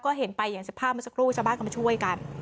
ก็เห็นไปอย่างสภาพเมื่อสักครู่ชาวบ้านก็มาช่วยกัน